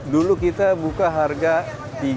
dulu kita buka harga rp tiga ratus lima puluh